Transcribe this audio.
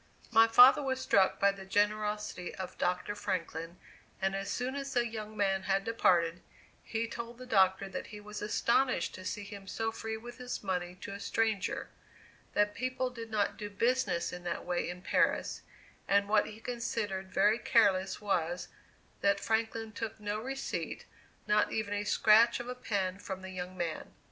My father was struck by the generosity of Dr. Franklin, and as soon as the young man had departed, he told the Doctor that he was astonished to see him so free with his money to a stranger; that people did not do business in that way in Paris; and what he considered very careless was, that Franklin took no receipt, not even a scratch of a pen from the young man.